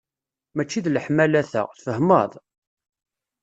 Mačči d leḥmala ta, tfahmeḍ?